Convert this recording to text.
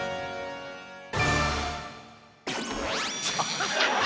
ハハハッ！